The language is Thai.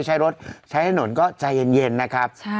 ใช้รถใช้ถนนก็ใจเย็นนะครับ